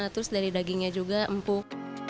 terus dari dagingnya juga empuk